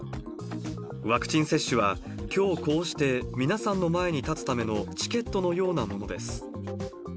ワクチン接種は、きょう、こうして皆さんの前に立つためのチケットのようなものです。